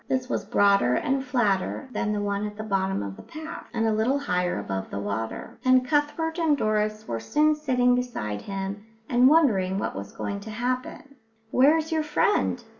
This was broader and flatter than the one at the bottom of the path, and a little higher above the water; and Cuthbert and Doris were soon sitting beside him and wondering what was going to happen. "Where's your friend?"